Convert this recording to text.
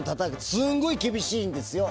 すごい厳しいんですよ